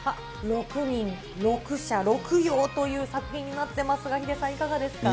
６人、６者６様という作品になってますが、ヒデさん、いかがですか。